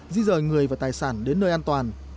di rời người và tài sản đến nơi an toàn